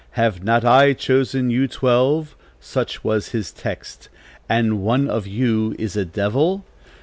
'Have not I chosen you twelve,' such was his text, 'and one of you is a devil?'